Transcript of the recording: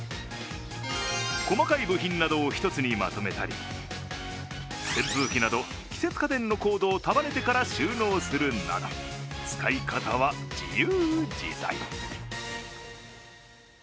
細かい部品などを一つにまとめたり扇風機など、季節家電のコードを束ねてから収納するなど使い方は自由自在。